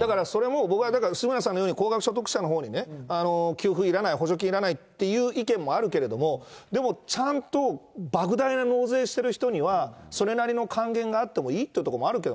だから、それも僕は杉村さんのように高額所得者のほうに給付いらない、補助金いらない意見もあるけど、でもちゃんとばく大な納税してる人には、それなりの還元があってもいいっていうところもあるけど。